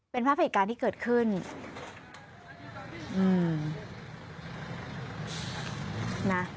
เป็นภาพเอกการณ์ที่เกิดขึ้น